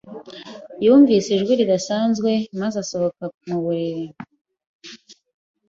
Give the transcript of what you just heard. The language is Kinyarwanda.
Yumvise ijwi ridasanzwe maze asohoka mu buriri.